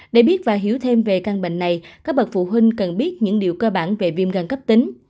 để biết và hiểu thêm về căn bệnh này các bậc phụ huynh cần biết những điều cơ bản về viêm gan cấp tính